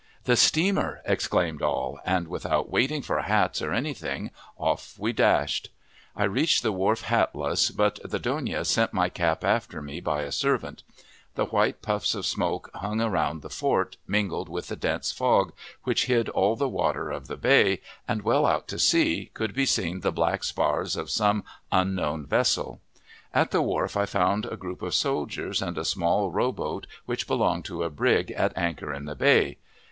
"The steamer" exclaimed all, and, without waiting for hats or any thing, off we dashed. I reached the wharf hatless, but the dona sent my cap after me by a servant. The white puffs of smoke hung around the fort, mingled with the dense fog, which hid all the water of the bay, and well out to sea could be seen the black spars of some unknown vessel. At the wharf I found a group of soldiers and a small row boat, which belonged to a brig at anchor in the bay.